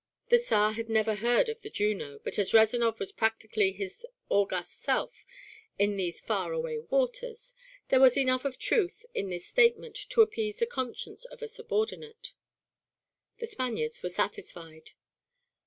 The Tsar had never heard of the Juno, but as Rezanov was practically his august self in these far away waters, there was enough of truth in this statement to appease the conscience of a subordinate. The Spaniards were satisfied.